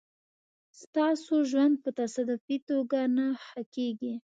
ستاسو ژوند په تصادفي توګه نه ښه کېږي.